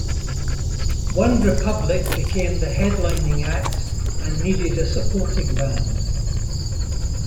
OneRepublic became the headlining act and needed a supporting band.